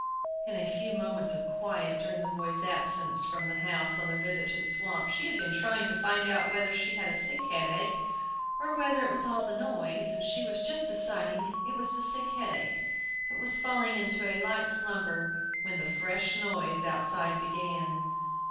In a few moments of quiet, during the boys' absence from the house on their visit to the swamp, she had been trying to find out whether she had a sick headache, or whether it was all the noise, and she was just deciding it was the sick headache, but was falling into a light slumber, when the fresh noise outside began.